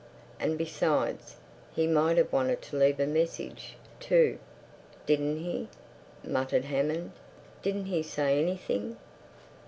And besides... he might have wanted to leave a message... to—" "Didn't he?" muttered Hammond. "Didn't he say anything?"